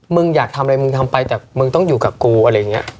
มึงอยากทำอะไรมึงทำไปแต่มึงต้องอยู่กับกูอะไรอย่างนี้